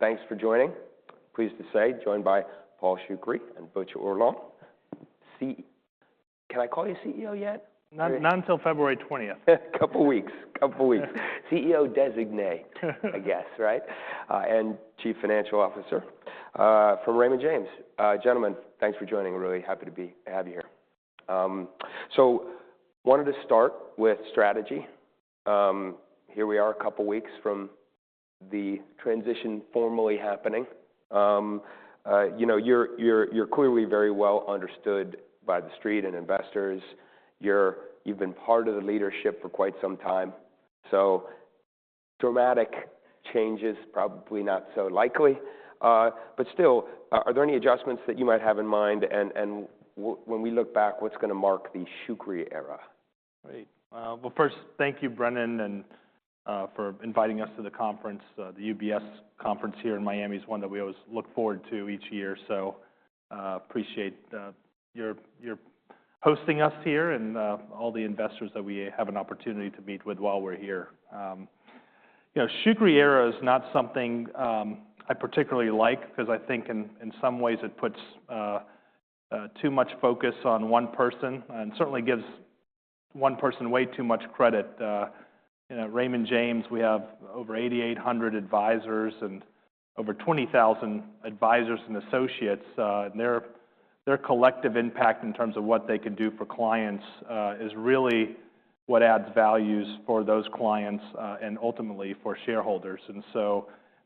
Thanks for joining. Pleased to say, joined by Paul Shoukry and Butch Oorlog, CEO - can I call you CEO yet? Not until February 20th. Couple weeks. Couple weeks. CEO designee, I guess, right? And Chief Financial Officer from Raymond James. Gentlemen, thanks for joining. Really happy to have you here. So I wanted to start with strategy. Here we are a couple weeks from the transition formally happening. You know, you're clearly very well understood by the street and investors. You've been part of the leadership for quite some time. So dramatic changes, probably not so likely. But still, are there any adjustments that you might have in mind? And when we look back, what's going to mark the Shoukry era? Right, well, first, thank you, Brennan, for inviting us to the conference. The UBS conference here in Miami is one that we always look forward to each year. So I appreciate your hosting us here and all the investors that we have an opportunity to meet with while we're here. You know, the Shoukry era is not something I particularly like because I think in some ways it puts too much focus on one person and certainly gives one person way too much credit. At Raymond James, we have over 8,800 advisors and over 20,000 advisors and associates. Their collective impact in terms of what they can do for clients is really what adds value for those clients and ultimately for shareholders.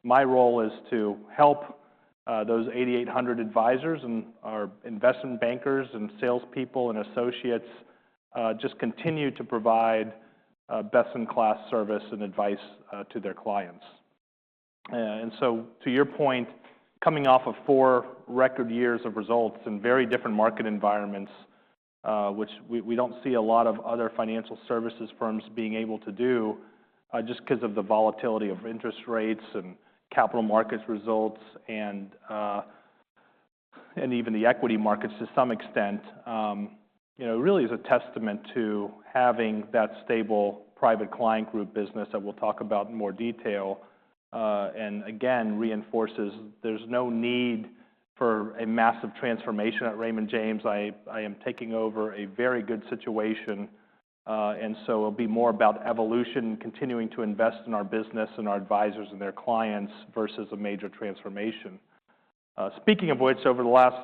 My role is to help those 8,800 advisors and our investment bankers and salespeople and associates just continue to provide best-in-class service and advice to their clients. To your point, coming off of four record years of results in very different market environments, which we don't see a lot of other financial services firms being able to do just because of the volatility of interest rates and capital markets results and even the equity markets to some extent, you know, really is a testament to having that stable Private Client Group business that we'll talk about in more detail. Again, reinforces there's no need for a massive transformation at Raymond James. I am taking over a very good situation. It'll be more about evolution and continuing to invest in our business and our advisors and their clients versus a major transformation. Speaking of which, over the last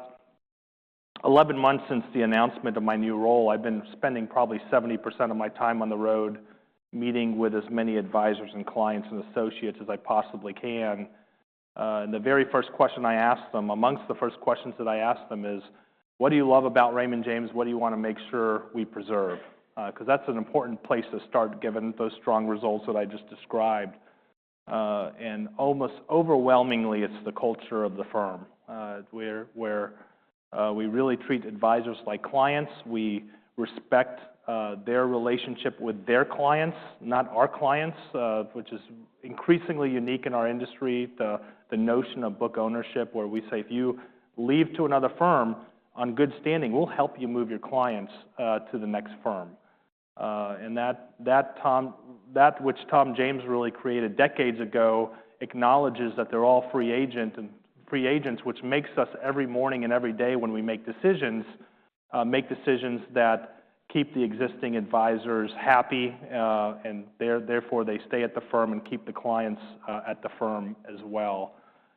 11 months since the announcement of my new role, I've been spending probably 70% of my time on the road meeting with as many advisors and clients and associates as I possibly can, and the very first question I asked them, amongst the first questions that I asked them, is, what do you love about Raymond James? What do you want to make sure we preserve? Because that's an important place to start given those strong results that I just described, and almost overwhelmingly, it's the culture of the firm where we really treat advisors like clients. We respect their relationship with their clients, not our clients, which is increasingly unique in our industry. The notion of book ownership where we say, if you leave to another firm on good standing, we'll help you move your clients to the next firm. And that, Tom, that which Tom James really created decades ago acknowledges that they're all free agents, which makes us every morning and every day when we make decisions that keep the existing advisors happy and therefore they stay at the firm and keep the clients at the firm as well.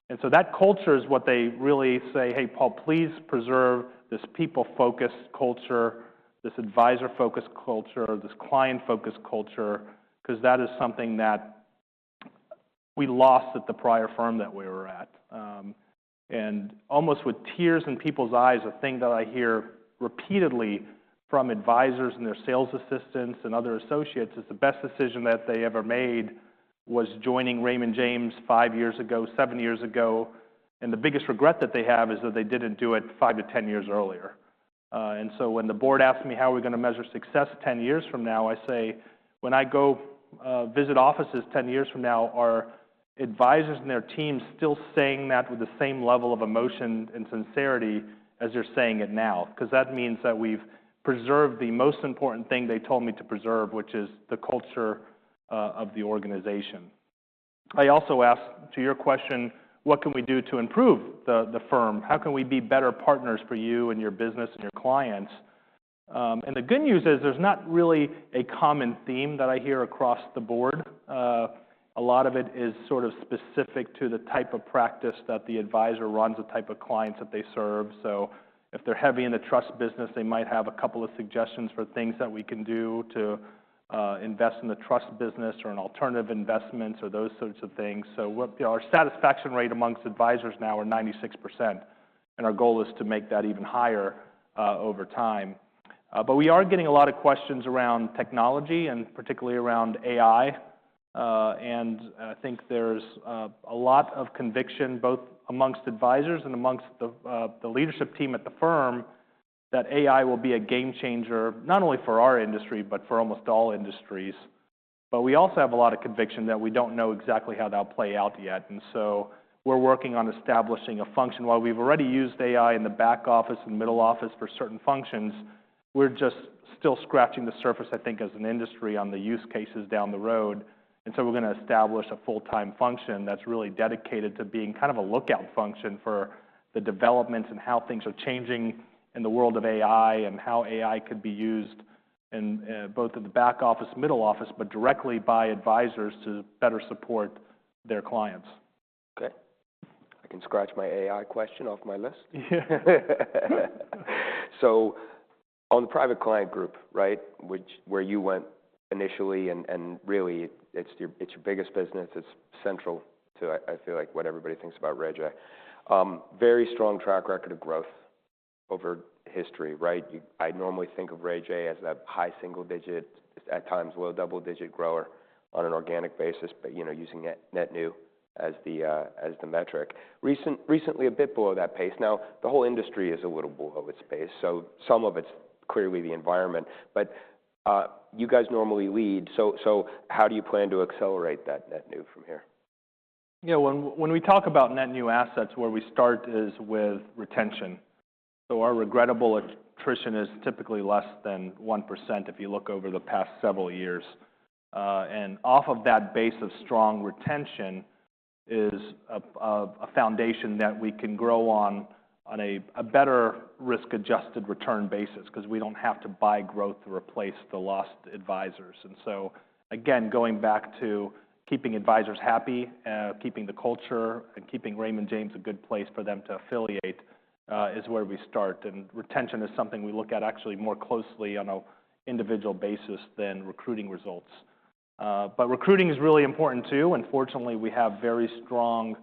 And so that culture is what they really say, hey, Paul, please preserve this people-focused culture, this advisor-focused culture, this client-focused culture, because that is something that we lost at the prior firm that we were at. And almost with tears in people's eyes, a thing that I hear repeatedly from advisors and their sales assistants and other associates is the best decision that they ever made was joining Raymond James five years ago, seven years ago. And the biggest regret that they have is that they didn't do it five to ten years earlier. And so when the board asked me, how are we going to measure success ten years from now, I say, when I go visit offices ten years from now, are advisors and their teams still saying that with the same level of emotion and sincerity as they're saying it now? Because that means that we've preserved the most important thing they told me to preserve, which is the culture of the organization. I also asked to your question, what can we do to improve the firm? How can we be better partners for you and your business and your clients? And the good news is there's not really a common theme that I hear across the board. A lot of it is sort of specific to the type of practice that the advisor runs, the type of clients that they serve. So if they're heavy in the trust business, they might have a couple of suggestions for things that we can do to invest in the trust business or in alternative investments or those sorts of things. Our satisfaction rate amongst advisors now is 96%. Our goal is to make that even higher over time. We are getting a lot of questions around technology and particularly around AI. I think there's a lot of conviction both amongst advisors and amongst the leadership team at the firm that AI will be a game changer, not only for our industry, but for almost all industries. We also have a lot of conviction that we don't know exactly how that will play out yet. We're working on establishing a function. While we've already used AI in the back office and middle office for certain functions, we're just still scratching the surface, I think, as an industry on the use cases down the road. And so we're going to establish a full-time function that's really dedicated to being kind of a lookout function for the developments and how things are changing in the world of AI and how AI could be used both at the back office, middle office, but directly by advisors to better support their clients. Okay. I can scratch my AI question off my list, so on the private client group, right, which where you went initially and really it's your biggest business, it's central to, I feel like, what everybody thinks about RayJ, very strong track record of growth over history, right? I normally think of RayJ as a high single-digit, at times low double-digit grower on an organic basis, but you know, using net new as the metric. Recently, a bit below that pace, now the whole industry is a little below its pace, so some of it's clearly the environment, but you guys normally lead, so how do you plan to accelerate that net new from here? Yeah. When we talk about net new assets, where we start is with retention. So our regrettable attrition is typically less than 1% if you look over the past several years. And off of that base of strong retention is a foundation that we can grow on on a better risk-adjusted return basis because we don't have to buy growth to replace the lost advisors. And so again, going back to keeping advisors happy, keeping the culture, and keeping Raymond James a good place for them to affiliate is where we start. And retention is something we look at actually more closely on an individual basis than recruiting results. But recruiting is really important too. And fortunately, we have very strong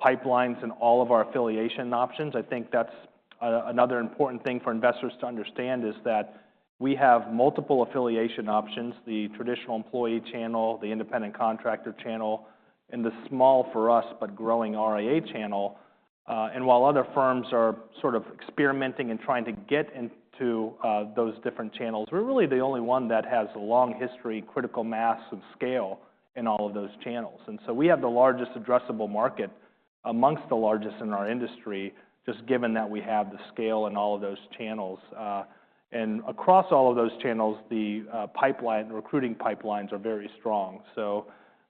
pipelines in all of our affiliation options. I think that's another important thing for investors to understand is that we have multiple affiliation options, the traditional employee channel, the independent contractor channel, and the small for us, but growing RIA channel. And while other firms are sort of experimenting and trying to get into those different channels, we're really the only one that has a long history, critical mass, and scale in all of those channels. And so we have the largest addressable market amongst the largest in our industry, just given that we have the scale in all of those channels. And across all of those channels, the pipeline, recruiting pipelines are very strong. So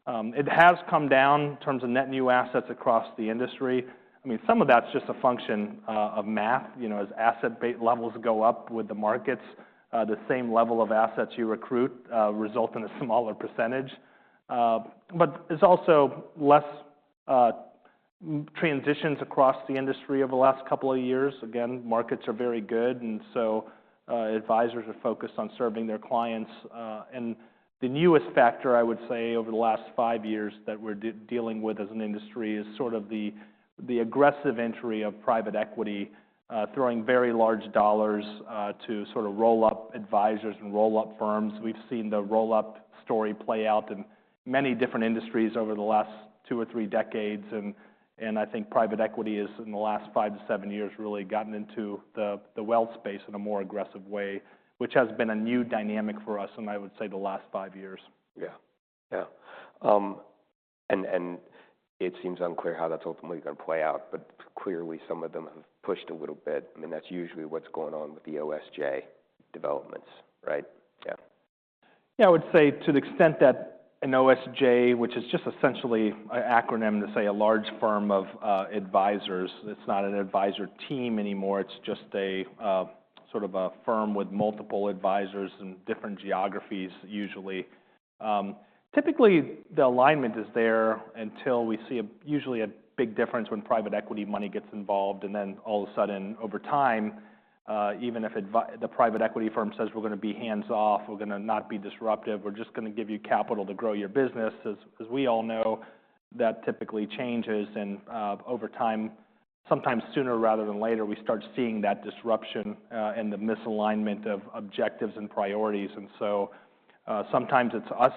it has come down in terms of net new assets across the industry. I mean, some of that's just a function of math. You know, as asset levels go up with the markets, the same level of assets you recruit results in a smaller percentage. But it's also less transitions across the industry over the last couple of years. Again, markets are very good. And so advisors are focused on serving their clients. And the newest factor, I would say, over the last five years that we're dealing with as an industry is sort of the aggressive entry of private equity, throwing very large dollars to sort of roll up advisors and roll up firms. We've seen the roll up story play out in many different industries over the last two or three decades. I think private equity has in the last five-to-seven years really gotten into the wealth space in a more aggressive way, which has been a new dynamic for us in, I would say, the last five years. Yeah. Yeah. And it seems unclear how that's ultimately going to play out, but clearly some of them have pushed a little bit. I mean, that's usually what's going on with the OSJ developments, right? Yeah. Yeah. I would say to the extent that an OSJ, which is just essentially an acronym to say a large firm of advisors, it's not an advisor team anymore. It's just a sort of a firm with multiple advisors in different geographies, usually. Typically, the alignment is there until we see usually a big difference when private equity money gets involved. And then all of a sudden, over time, even if the private equity firm says, we're going to be hands-off, we're going to not be disruptive, we're just going to give you capital to grow your business, as we all know, that typically changes. And over time, sometimes sooner rather than later, we start seeing that disruption and the misalignment of objectives and priorities. And so sometimes it's us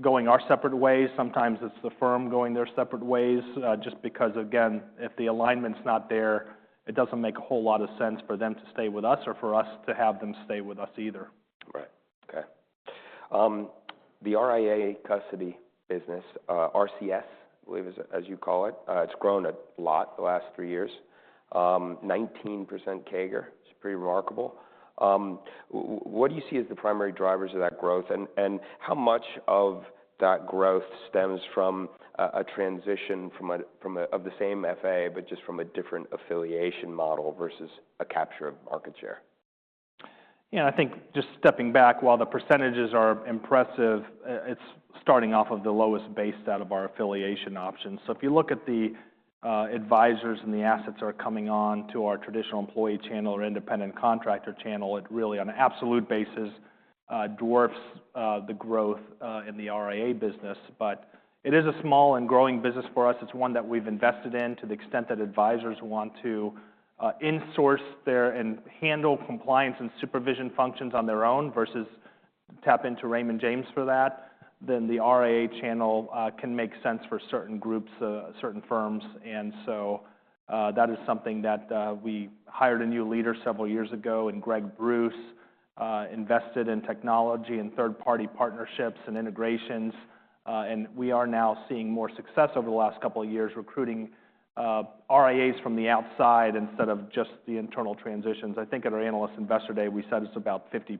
going our separate ways. Sometimes it's the firm going their separate ways just because, again, if the alignment's not there, it doesn't make a whole lot of sense for them to stay with us or for us to have them stay with us either. Right. Okay. The RIA custody business, RCS, I believe is as you call it. It's grown a lot the last three years. 19% CAGR. It's pretty remarkable. What do you see as the primary drivers of that growth? And how much of that growth stems from a transition from a, of the same FA, but just from a different affiliation model versus a capture of market share? Yeah. I think just stepping back, while the percentages are impressive, it's starting off of the lowest base out of our affiliation options, so if you look at the advisors and the assets that are coming on to our traditional employee channel or independent contractor channel, it really on an absolute basis dwarfs the growth in the RIA business, but it is a small and growing business for us. It's one that we've invested in to the extent that advisors want to insource their and handle compliance and supervision functions on their own versus tap into Raymond James for that, then the RIA channel can make sense for certain groups, certain firms, and so that is something that we hired a new leader several years ago, and Greg Bruce invested in technology and third-party partnerships and integrations. We are now seeing more success over the last couple of years recruiting RIAs from the outside instead of just the internal transitions. I think at our analyst investor day, we said it's about 50%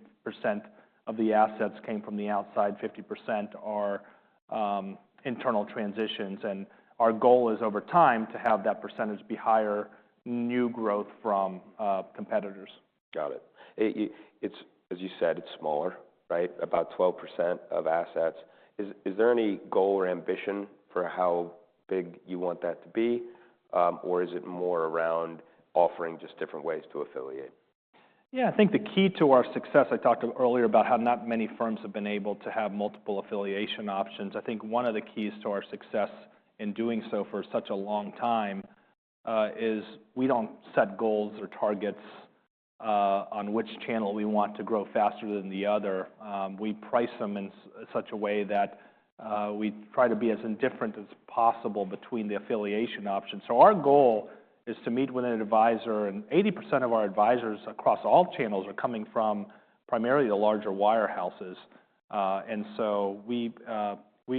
of the assets came from the outside, 50% are internal transitions. Our goal is over time to have that percentage be higher new growth from competitors. Got it. It's, as you said, it's smaller, right? About 12% of assets. Is there any goal or ambition for how big you want that to be? Or is it more around offering just different ways to affiliate? Yeah. I think the key to our success. I talked earlier about how not many firms have been able to have multiple affiliation options. I think one of the keys to our success in doing so for such a long time is we don't set goals or targets on which channel we want to grow faster than the other. We price them in such a way that we try to be as indifferent as possible between the affiliation options. Our goal is to meet with an advisor, and 80% of our advisors across all channels are coming from primarily the larger wirehouses. And so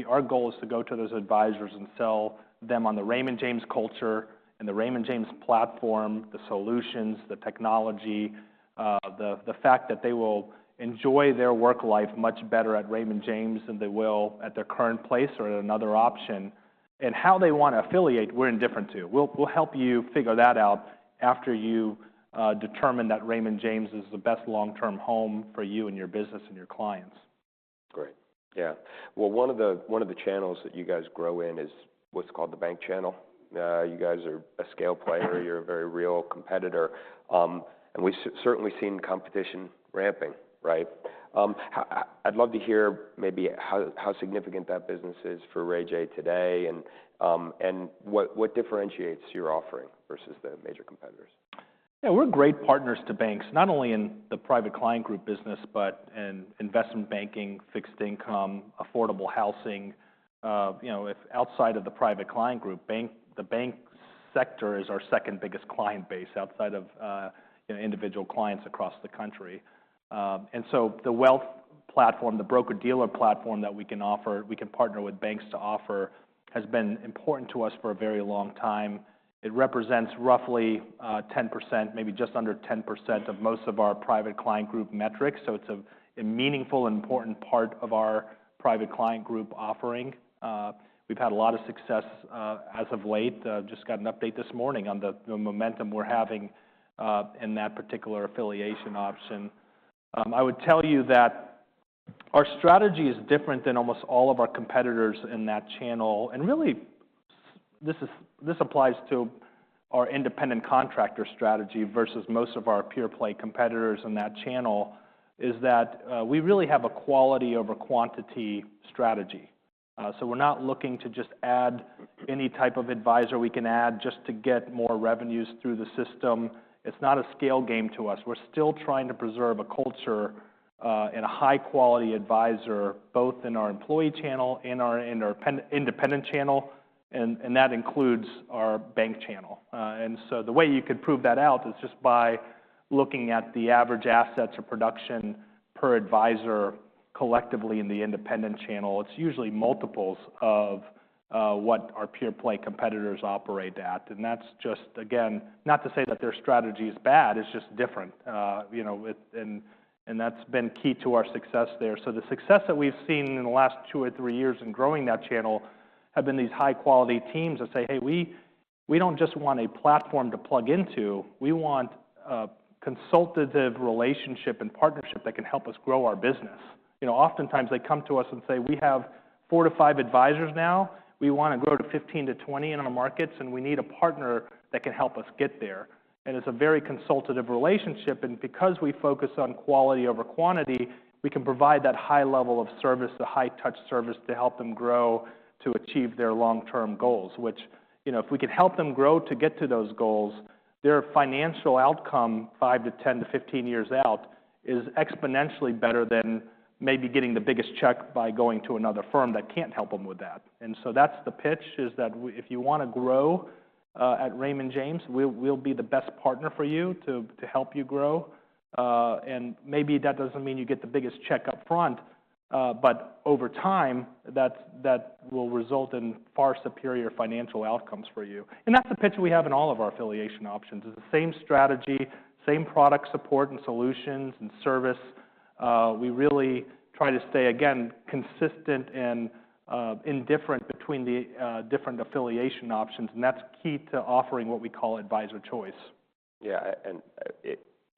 our goal is to go to those advisors and sell them on the Raymond James culture and the Raymond James platform, the solutions, the technology, the fact that they will enjoy their work life much better at Raymond James than they will at their current place or at another option. And how they want to affiliate, we're indifferent to. We'll help you figure that out after you determine that Raymond James is the best long-term home for you and your business and your clients. Great. Yeah. Well, one of the channels that you guys grow in is what's called the bank channel. You guys are a scale player. You're a very real competitor. And we've certainly seen competition ramping, right? I'd love to hear maybe how significant that business is for RayJ today and what differentiates your offering versus the major competitors. Yeah. We're great partners to banks, not only in the Private Client Group business, but in investment banking, fixed income, affordable housing. You know, outside of the Private Client Group, the bank sector is our second biggest client base outside of individual clients across the country. And so the wealth platform, the broker-dealer platform that we can offer, we can partner with banks to offer has been important to us for a very long time. It represents roughly 10%, maybe just under 10% of most of our Private Client Group metrics. So it's a meaningful and important part of our Private Client Group offering. We've had a lot of success as of late. I just got an update this morning on the momentum we're having in that particular affiliation option. I would tell you that our strategy is different than almost all of our competitors in that channel. Really, this applies to our independent contractor strategy versus most of our peer-play competitors in that channel, is that we really have a quality over quantity strategy. We're not looking to just add any type of advisor we can add just to get more revenues through the system. It's not a scale game to us. We're still trying to preserve a culture and a high-quality advisor both in our employee channel and our independent channel. That includes our bank channel. The way you could prove that out is just by looking at the average assets or production per advisor collectively in the independent channel. It's usually multiples of what our peer-play competitors operate at. That's just, again, not to say that their strategy is bad. It's just different. You know, that's been key to our success there. So the success that we've seen in the last two or three years in growing that channel have been these high-quality teams that say, "Hey, we don't just want a platform to plug into. We want a consultative relationship and partnership that can help us grow our business." You know, oftentimes they come to us and say, "We have four-to-five advisors now. We want to grow to 15-20 in our markets, and we need a partner that can help us get there." And it's a very consultative relationship. Because we focus on quality over quantity, we can provide that high level of service, the high-touch service to help them grow to achieve their long-term goals, which, you know, if we can help them grow to get to those goals, their financial outcome five to ten to fifteen years out is exponentially better than maybe getting the biggest check by going to another firm that can't help them with that. So that's the pitch is that if you want to grow at Raymond James, we'll be the best partner for you to help you grow. Maybe that doesn't mean you get the biggest check upfront, but over time, that will result in far superior financial outcomes for you. That's the pitch we have in all of our affiliation options. It's the same strategy, same product support and solutions and service. We really try to stay, again, consistent and indifferent between the different affiliation options, and that's key to offering what we call Advisor Choice. Yeah, and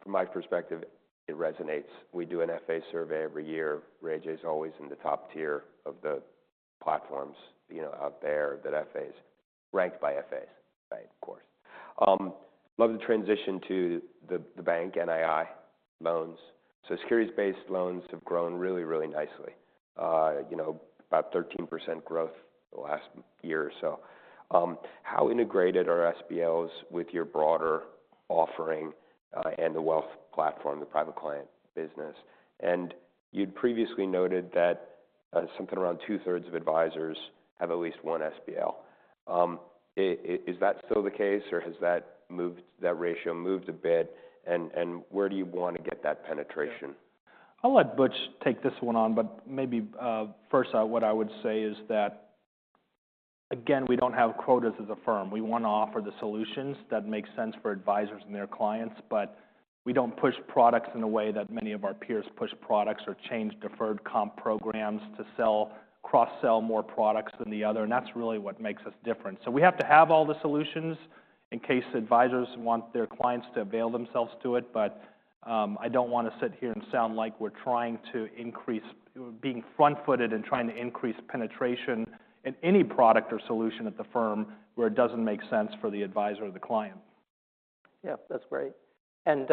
from my perspective, it resonates. We do an FA survey every year. RayJ is always in the top tier of the platforms, you know, out there that FAs, ranked by FAs, right? Of course. Love the transition to the bank, NII loans. So securities-based loans have grown really, really nicely. You know, about 13% growth the last year or so. How integrated are SBLs with your broader offering and the wealth platform, the private client business? And you'd previously noted that something around two-thirds of advisors have at least one SBL. Is that still the case or has that ratio moved a bit? And where do you want to get that penetration? I'll let Butch take this one on, but maybe first what I would say is that, again, we don't have quotas as a firm. We want to offer the solutions that make sense for advisors and their clients, but we don't push products in a way that many of our peers push products or change deferred comp programs to sell, cross-sell more products than the other. And that's really what makes us different. So we have to have all the solutions in case advisors want their clients to avail themselves to it. But I don't want to sit here and sound like we're trying to increase, being front-footed and trying to increase penetration in any product or solution at the firm where it doesn't make sense for the advisor or the client. Yeah. That's great. And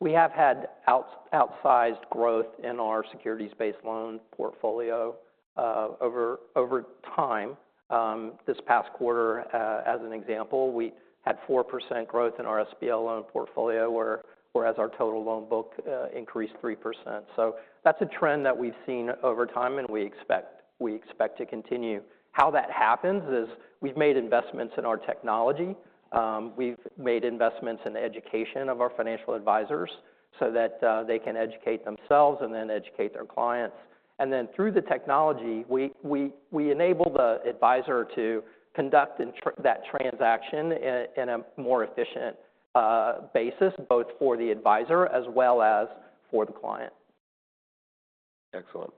we have had outsized growth in our securities-based loan portfolio over time. This past quarter, as an example, we had 4% growth in our SBL loan portfolio, whereas our total loan book increased 3%. So that's a trend that we've seen over time and we expect to continue. How that happens is we've made investments in our technology. We've made investments in the education of our financial advisors so that they can educate themselves and then educate their clients. And then through the technology, we enable the advisor to conduct that transaction in a more efficient basis, both for the advisor as well as for the client. Excellent.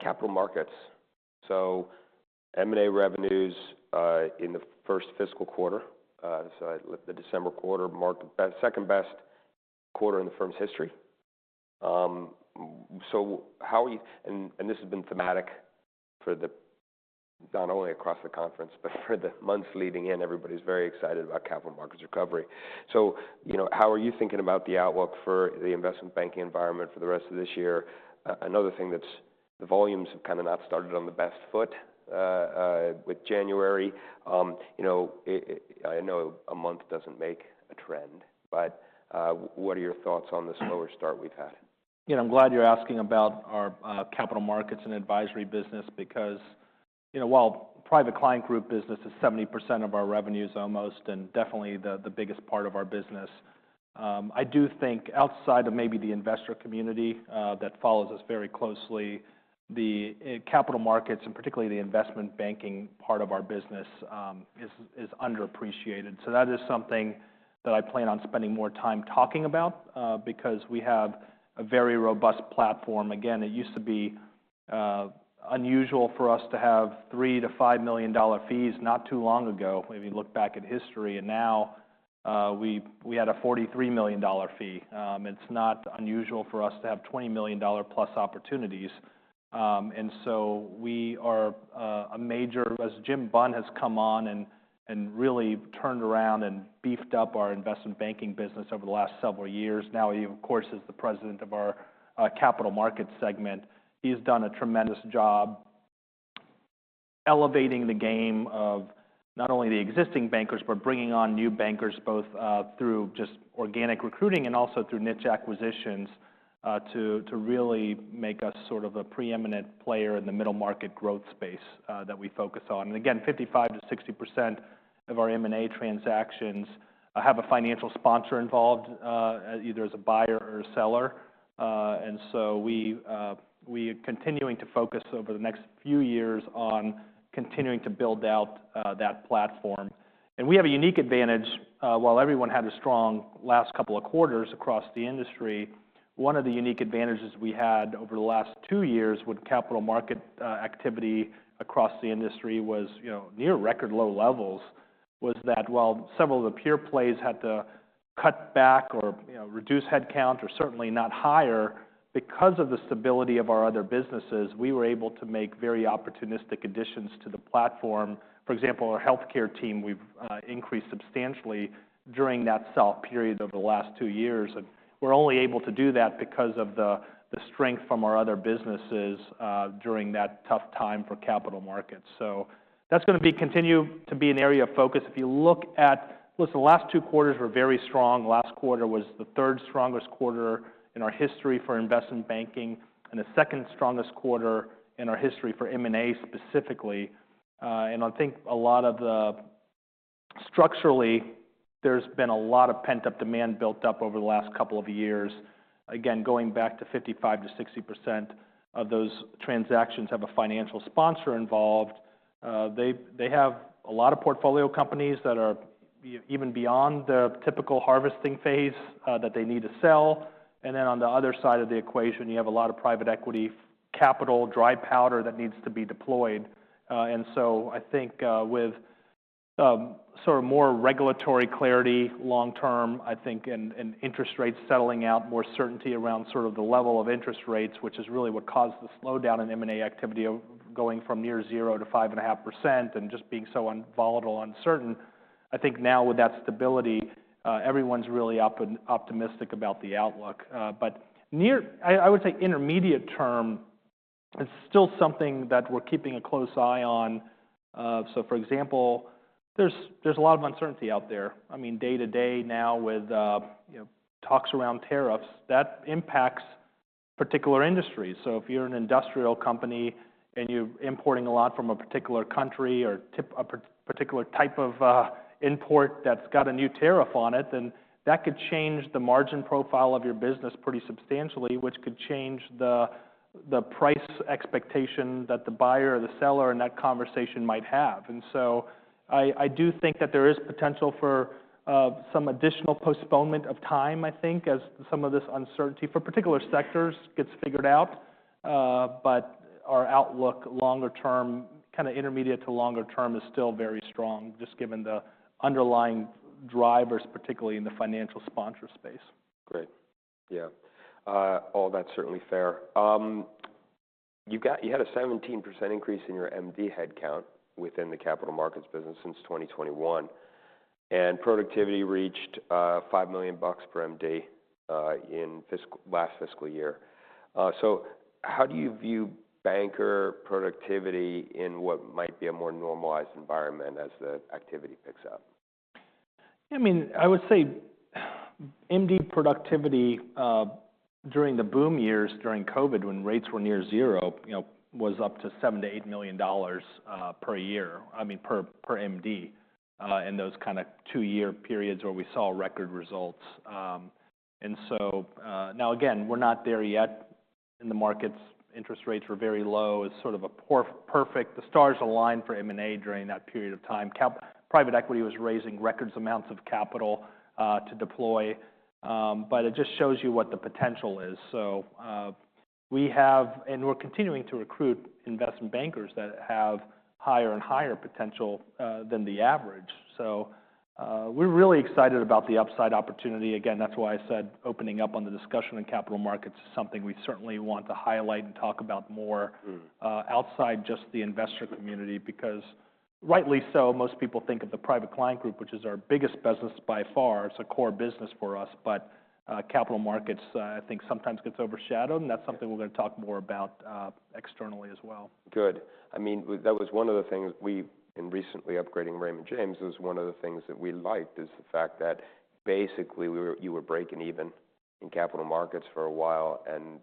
Capital Markets. So M&A revenues in the first fiscal quarter, so the December quarter marked the second best quarter in the firm's history. So how are you, and this has been thematic not only across the conference, but for the months leading in. Everybody's very excited about Capital Markets recovery. So, you know, how are you thinking about the outlook for the investment banking environment for the rest of this year? Another thing is that the volumes have kind of not started on the best foot with January. You know, I know a month doesn't make a trend, but what are your thoughts on this slower start we've had? Yeah. I'm glad you're asking about our Capital Markets and advisory business because, you know, while Private Client Group business is 70% of our revenues almost and definitely the biggest part of our business, I do think outside of maybe the investor community that follows us very closely, the Capital Markets and particularly the investment banking part of our business is underappreciated. So that is something that I plan on spending more time talking about because we have a very robust platform. Again, it used to be unusual for us to have $3-$5 million fees not too long ago if you look back at history. And now we had a $43 million fee. It's not unusual for us to have $20 million-plus opportunities. And so we are a major, as Jim Bunn has come on and really turned around and beefed up our investment banking business over the last several years. Now he, of course, is the president of our Capital Markets segment. He's done a tremendous job elevating the game of not only the existing bankers, but bringing on new bankers both through just organic recruiting and also through niche acquisitions to really make us sort of a preeminent player in the middle market growth space that we focus on. And again, 55%-60% of our M&A transactions have a financial sponsor involved either as a buyer or a seller. And so we are continuing to focus over the next few years on continuing to build out that platform. And we have a unique advantage. While everyone had a strong last couple of quarters across the industry, one of the unique advantages we had over the last two years with capital market activity across the industry was, you know, near record low levels was that while several of the peer-plays had to cut back or reduce headcount or certainly not hire because of the stability of our other businesses, we were able to make very opportunistic additions to the platform. For example, our healthcare team we've increased substantially during that soft period over the last two years. And we're only able to do that because of the strength from our other businesses during that tough time for capital markets. So that's going to continue to be an area of focus. If you look at, listen, the last two quarters were very strong. Last quarter was the third strongest quarter in our history for investment banking and the second strongest quarter in our history for M&A specifically. And I think a lot of the structurally, there's been a lot of pent-up demand built up over the last couple of years. Again, going back to 55%-60% of those transactions have a financial sponsor involved. They have a lot of portfolio companies that are even beyond the typical harvesting phase that they need to sell. And then on the other side of the equation, you have a lot of private equity capital, dry powder that needs to be deployed. I think with sort of more regulatory clarity long term, I think, and interest rates settling out, more certainty around sort of the level of interest rates, which is really what caused the slowdown in M&A activity going from near zero to 5.5% and just being so volatile, uncertain. I think now with that stability, everyone's really optimistic about the outlook. Near, I would say intermediate term, it's still something that we're keeping a close eye on. For example, there's a lot of uncertainty out there. I mean, day to day now with talks around tariffs, that impacts particular industries. So if you're an industrial company and you're importing a lot from a particular country or a particular type of import that's got a new tariff on it, then that could change the margin profile of your business pretty substantially, which could change the price expectation that the buyer or the seller in that conversation might have. And so I do think that there is potential for some additional postponement of time, I think, as some of this uncertainty for particular sectors gets figured out. But our outlook longer term, kind of intermediate to longer term, is still very strong just given the underlying drivers, particularly in the financial sponsor space. Great. Yeah. All that's certainly fair. You had a 17% increase in your MD headcount within the capital markets business since 2021. And productivity reached $5 million per MD in last fiscal year. So how do you view banker productivity in what might be a more normalized environment as the activity picks up? I mean, I would say MD productivity during the boom years during COVID when rates were near zero, you know, was up to $7 million-$8 million per year, I mean, per MD in those kind of two-year periods where we saw record results, and so now, again, we're not there yet in the markets. Interest rates were very low. It's sort of a perfect, the stars aligned for M&A during that period of time. Private equity was raising record amounts of capital to deploy, but it just shows you what the potential is, so we have, and we're continuing to recruit investment bankers that have higher and higher potential than the average, so we're really excited about the upside opportunity. Again, that's why I said opening up on the discussion in capital markets is something we certainly want to highlight and talk about more outside just the investor community because rightly so, most people think of the private client group, which is our biggest business by far. It's a core business for us. But capital markets, I think sometimes gets overshadowed. And that's something we're going to talk more about externally as well. Good. I mean, that was one of the things when we recently upgraded Raymond James was one of the things that we liked is the fact that basically you were breaking even in Capital Markets for a while and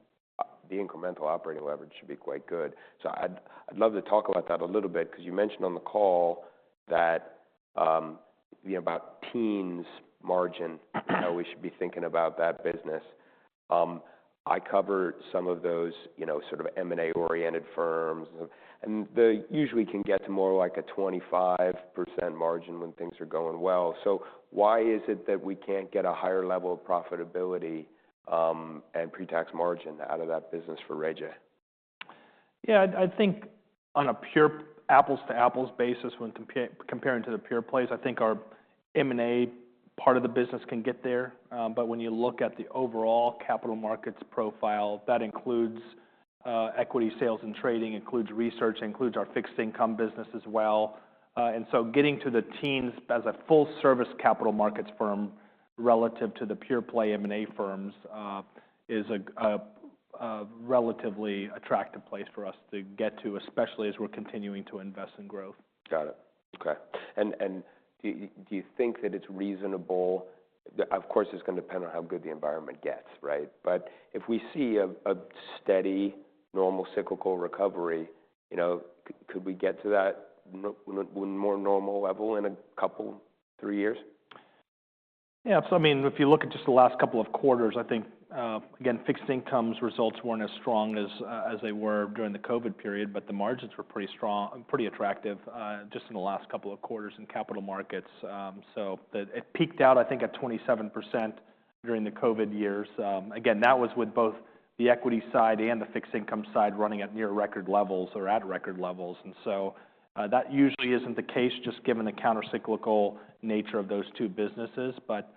the incremental operating leverage should be quite good. So I'd love to talk about that a little bit because you mentioned on the call that about teens margin, how we should be thinking about that business. I covered some of those, you know, sort of M&A oriented firms. And they usually can get to more like a 25% margin when things are going well. So why is it that we can't get a higher level of profitability and pre-tax margin out of that business for RayJ? Yeah. I think on a pure apples to apples basis when comparing to the peer-plays, I think our M&A part of the business can get there. But when you look at the overall capital markets profile, that includes equity sales and trading, includes research, includes our fixed income business as well. And so getting to the teens as a full service capital markets firm relative to the peer-play M&A firms is a relatively attractive place for us to get to, especially as we're continuing to invest in growth. Got it. Okay. And do you think that it's reasonable? Of course, it's going to depend on how good the environment gets, right? But if we see a steady normal cyclical recovery, you know, could we get to that more normal level in a couple, three years? Yeah. So I mean, if you look at just the last couple of quarters, I think, again, fixed income's results weren't as strong as they were during the COVID period, but the margins were pretty strong, pretty attractive just in the last couple of quarters in capital markets. So it peaked out, I think, at 27% during the COVID years. Again, that was with both the equity side and the fixed income side running at near record levels or at record levels. And so that usually isn't the case just given the countercyclical nature of those two businesses. But,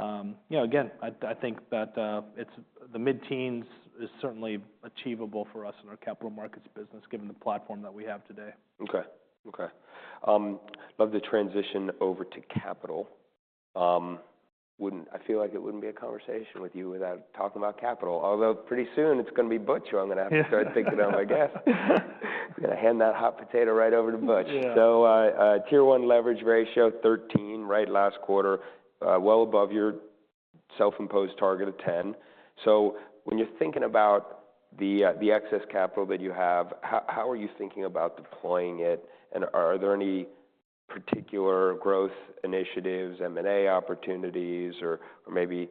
you know, again, I think that the mid-teens is certainly achievable for us in our capital markets business given the platform that we have today. Okay. Okay. Love to transition over to capital. I feel like it wouldn't be a conversation with you without talking about capital. Although pretty soon it's going to be Butch who I'm going to have to start thinking of, I guess. I'm going to hand that hot potato right over to Butch. So Tier 1 leverage ratio 13% right last quarter, well above your self-imposed target of 10%. So when you're thinking about the excess capital that you have, how are you thinking about deploying it? And are there any particular growth initiatives, M&A opportunities, or maybe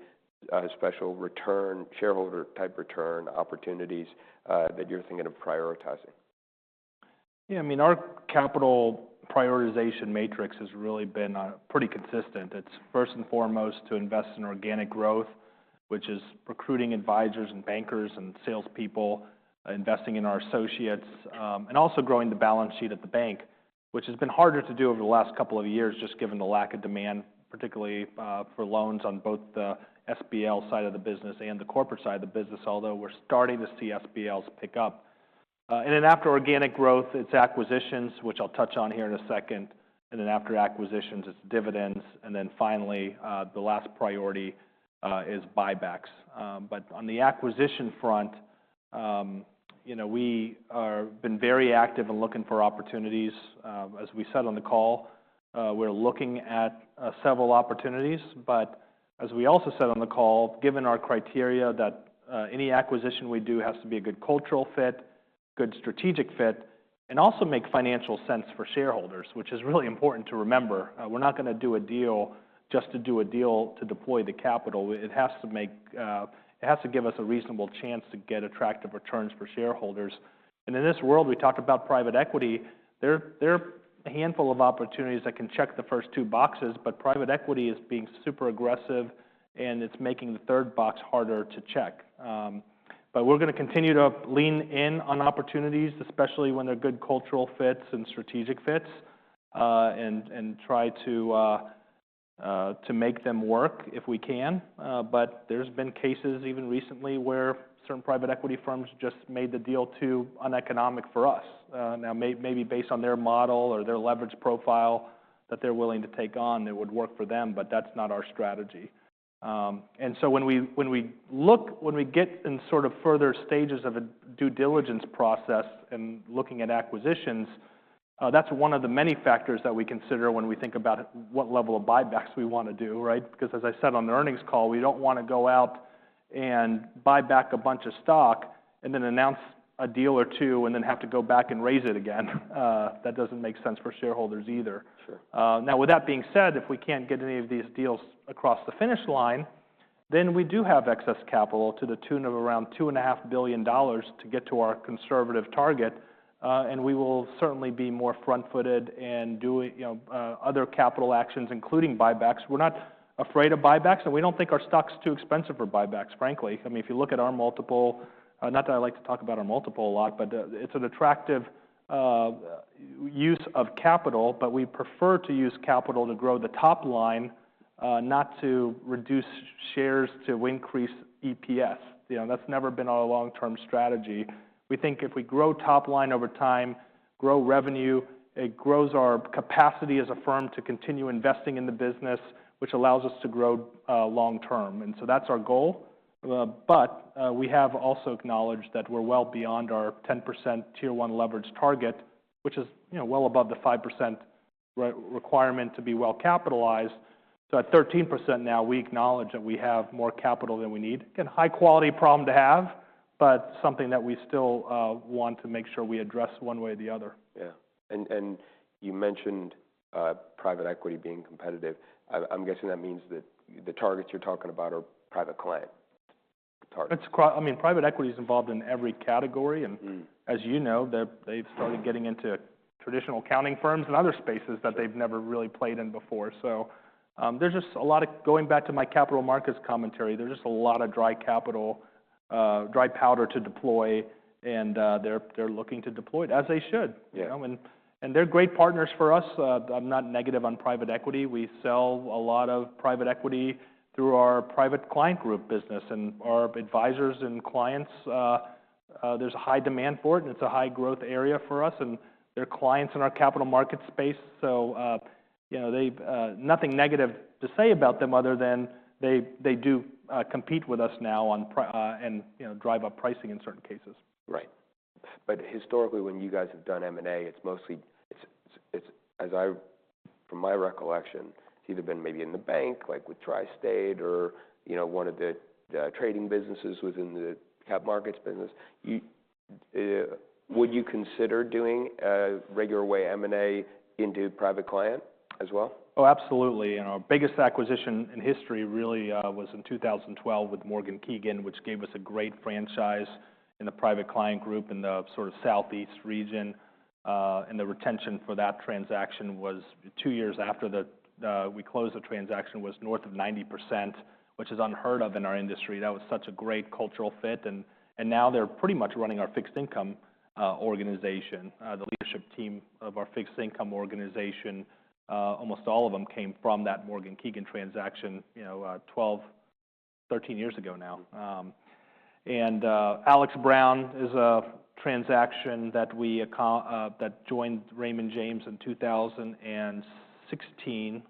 special return shareholder type return opportunities that you're thinking of prioritizing? Yeah. I mean, our capital prioritization matrix has really been pretty consistent. It's first and foremost to invest in organic growth, which is recruiting advisors and bankers and salespeople, investing in our associates, and also growing the balance sheet at the bank, which has been harder to do over the last couple of years just given the lack of demand, particularly for loans on both the SBL side of the business and the corporate side of the business, although we're starting to see SBLs pick up, and then after organic growth, it's acquisitions, which I'll touch on here in a second, and then after acquisitions, it's dividends, and then finally, the last priority is buybacks, but on the acquisition front, you know, we have been very active in looking for opportunities. As we said on the call, we're looking at several opportunities. But as we also said on the call, given our criteria, that any acquisition we do has to be a good cultural fit, good strategic fit, and also make financial sense for shareholders, which is really important to remember. We're not going to do a deal just to do a deal to deploy the capital. It has to make, it has to give us a reasonable chance to get attractive returns for shareholders. And in this world, we talked about private equity. There are a handful of opportunities that can check the first two boxes, but private equity is being super aggressive and it's making the third box harder to check. But we're going to continue to lean in on opportunities, especially when they're good cultural fits and strategic fits, and try to make them work if we can. But there's been cases even recently where certain private equity firms just made the deal too uneconomic for us. Now, maybe based on their model or their leverage profile that they're willing to take on, it would work for them, but that's not our strategy. And so when we look, when we get in sort of further stages of a due diligence process and looking at acquisitions, that's one of the many factors that we consider when we think about what level of buybacks we want to do, right? Because as I said on the earnings call, we don't want to go out and buy back a bunch of stock and then announce a deal or two and then have to go back and raise it again. That doesn't make sense for shareholders either. Now, with that being said, if we can't get any of these deals across the finish line, then we do have excess capital to the tune of around $2.5 billion to get to our conservative target, and we will certainly be more front-footed and do, you know, other capital actions, including buybacks. We're not afraid of buybacks and we don't think our stock's too expensive for buybacks, frankly. I mean, if you look at our multiple, not that I like to talk about our multiple a lot, but it's an attractive use of capital, but we prefer to use capital to grow the top line, not to reduce shares to increase EPS. You know, that's never been our long-term strategy. We think if we grow top line over time, grow revenue, it grows our capacity as a firm to continue investing in the business, which allows us to grow long term, and so that's our goal, but we have also acknowledged that we're well beyond our 10% Tier 1 leverage target, which is, you know, well above the 5% requirement to be well capitalized, so at 13% now, we acknowledge that we have more capital than we need. Again, high-quality problem to have, but something that we still want to make sure we address one way or the other. Yeah, and you mentioned private equity being competitive. I'm guessing that means that the targets you're talking about are private client targets. I mean, private equity is involved in every category. And as you know, they've started getting into traditional accounting firms and other spaces that they've never really played in before. So there's just a lot of going back to my Capital Markets commentary. There's just a lot of dry capital, dry powder to deploy, and they're looking to deploy it as they should. And they're great partners for us. I'm not negative on private equity. We sell a lot of private equity through our Private Client Group business and our advisors and clients. There's a high demand for it and it's a high growth area for us. And they're clients in our Capital Markets space. So, you know, nothing negative to say about them other than they do compete with us now and drive up pricing in certain cases. Right, but historically, when you guys have done M&A, it's mostly, as I, from my recollection, it's either been maybe in the bank, like with TriState or, you know, one of the trading businesses within the cap markets business. Would you consider doing a regular way M&A into private client as well? Oh, absolutely. And our biggest acquisition in history really was in 2012 with Morgan Keegan, which gave us a great franchise in the Private Client Group in the sort of Southeast region. And the retention for that transaction was two years after we closed the transaction was north of 90%, which is unheard of in our industry. That was such a great cultural fit. And now they're pretty much running our fixed income organization. The leadership team of our fixed income organization, almost all of them came from that Morgan Keegan transaction, you know, 12, 13 years ago now. And Alex. Brown is a transaction that joined Raymond James in 2016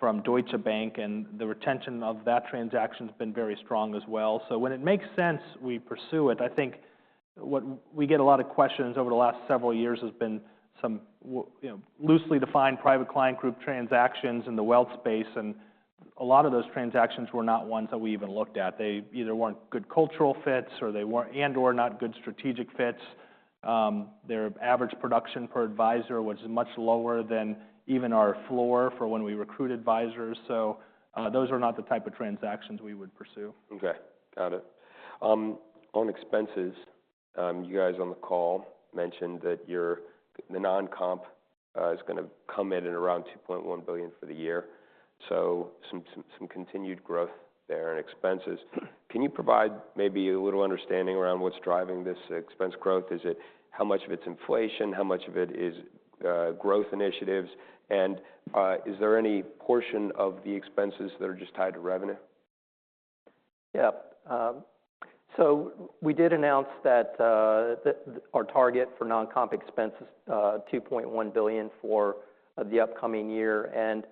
from Deutsche Bank. And the retention of that transaction has been very strong as well. So when it makes sense, we pursue it. I think what we get a lot of questions over the last several years has been some, you know, loosely defined Private Client Group transactions in the wealth space, and a lot of those transactions were not ones that we even looked at. They either weren't good cultural fits or they weren't, and or not good strategic fits. Their average production per advisor was much lower than even our floor for when we recruit advisors, so those are not the type of transactions we would pursue. Okay. Got it. On expenses, you guys on the call mentioned that your non-comp is going to come in at around $2.1 billion for the year. So some continued growth there in expenses. Can you provide maybe a little understanding around what's driving this expense growth? Is it how much of it's inflation? How much of it is growth initiatives? And is there any portion of the expenses that are just tied to revenue? Yeah. So we did announce that our target for non-comp expense is $2.1 billion for the upcoming year. And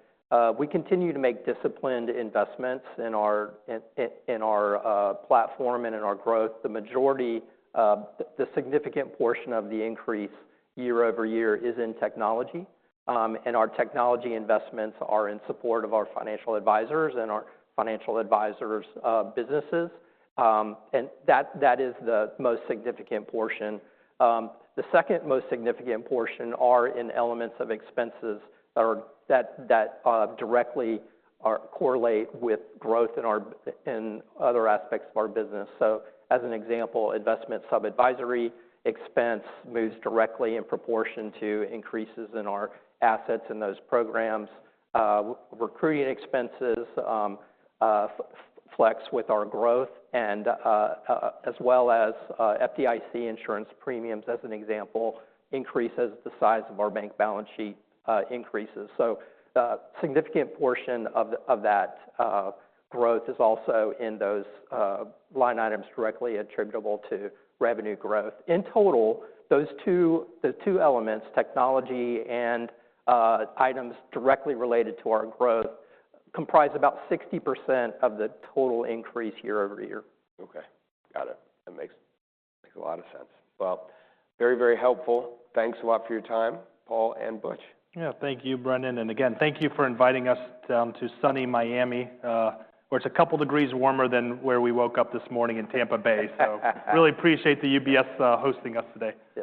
we continue to make disciplined investments in our platform and in our growth. The majority, the significant portion of the increase year over year is in technology. And our technology investments are in support of our financial advisors and our financial advisors' businesses. And that is the most significant portion. The second most significant portion are in elements of expenses that directly correlate with growth in other aspects of our business. So as an example, investment sub-advisory expense moves directly in proportion to increases in our assets and those programs. Recruiting expenses flex with our growth and as well as FDIC insurance premiums as an example increases the size of our bank balance sheet increases. So a significant portion of that growth is also in those line items directly attributable to revenue growth. In total, those two, the two elements, technology and items directly related to our growth comprise about 60% of the total increase year over year. Okay. Got it. That makes a lot of sense. Well, very, very helpful. Thanks a lot for your time, Paul and Butch. Yeah. Thank you, Brennan. And again, thank you for inviting us down to sunny Miami, where it's a couple degrees warmer than where we woke up this morning in Tampa Bay. So really appreciate the UBS hosting us today.